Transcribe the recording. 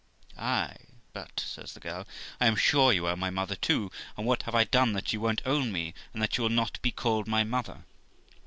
'Ay, but', says the girl, 'I am sure you are my mother too; and what have I done that you won't own me, and that you will not be called my mother?